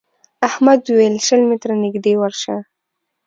احمد وويل: شل متره نږدې ورشه.